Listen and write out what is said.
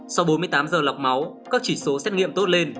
sau bốn mươi tám giờ lọc máu các chỉ số xét nghiệm tốt lên